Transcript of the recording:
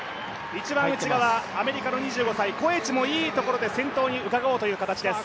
一番内側、アメリカの２５歳コエチもいい位置で先頭に伺おうという形です。